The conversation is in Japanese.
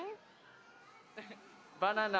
バナナ。